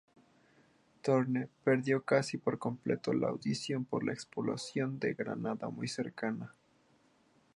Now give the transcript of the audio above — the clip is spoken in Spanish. Thorne perdió casi por completo la audición por una explosión de granada muy cercana.